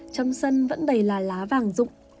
trong sân vẫn đầy là lá vàng rụng